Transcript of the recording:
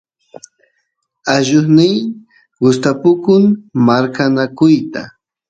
allusniy gustapukun marqanakuyta